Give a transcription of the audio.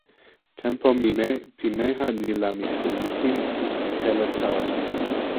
tenpo pimeja ni la mi lukin e sitelen tawa tu.